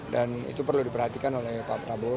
dan itu perlu diperhatikan oleh pak prabowo